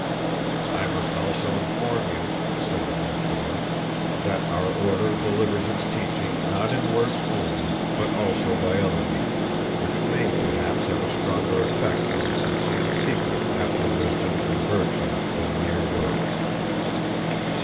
"I must also inform you," said the Rhetor, "that our Order delivers its teaching not in words only but also by other means, which may perhaps have a stronger effect on the sincere seeker after wisdom and virtue than mere words.